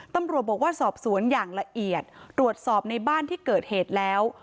ตำรวจบอกว่าสอบสวนอย่างละเอียดตรวจสอบในบ้านที่เกิดเหตุแล้ว